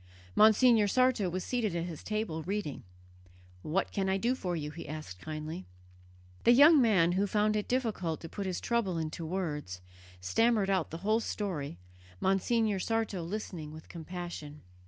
Monsignor Sarto was seated at his table reading. "What can I do for you?" he asked kindly. The young man, who found it difficult to put his trouble into words, stammered out the whole story, Monsignor Sarto listening with compassion.